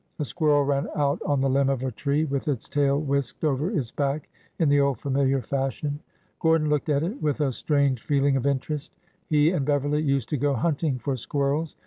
A squirrel ran out on the limb of a tree, with its tail whisked over its back in the old familiar fashion. Gor don looked at it with a strange feeling of interest. He and Beverly used to go hunting for squirrels.